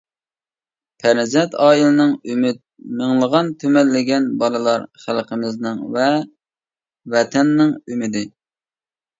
پەرزەنت ئائىلىنىڭ ئۈمىدى، مىڭلىغان-تۈمەنلىگەن بالىلار خەلقىمىزنىڭ ۋە ۋەتەننىڭ ئۈمىدى.